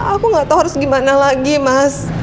aku gak tau harus gimana lagi mas